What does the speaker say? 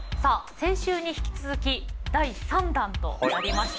先週に引き続き第３弾となりました。